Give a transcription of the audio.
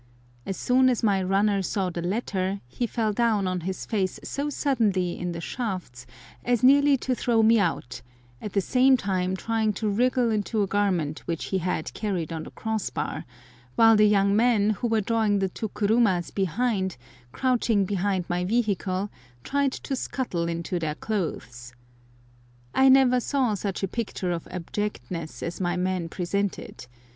As soon as my runner saw the latter he fell down on his face so suddenly in the shafts as nearly to throw me out, at the same time trying to wriggle into a garment which he had carried on the crossbar, while the young men who were drawing the two kurumas behind, crouching behind my vehicle, tried to scuttle into their clothes. I never saw such a picture of abjectness as my man presented.